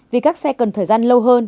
vì các xe cần thời gian lâu hơn